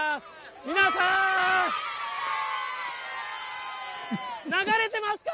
皆さん、流れてますか？